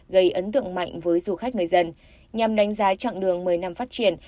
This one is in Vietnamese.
gây ấn tượng mạnh với du khách người dân nhằm đánh giá chặng đường một mươi năm phát triển